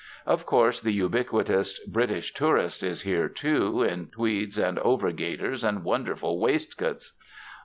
Of course the ubi quitous British tourist is here, too, in tweeds and overgaiters and wonderful waistcoats.